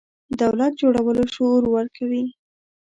دولت جوړولو شعور ورکوي.